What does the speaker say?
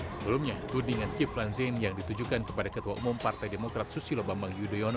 sebelumnya tudingan kiflan zain yang ditujukan kepada ketua umum partai demokrat susilo bambang yudhoyono